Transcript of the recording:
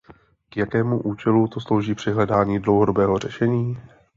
K jakému účelu to slouží při hledání dlouhodobého řešení?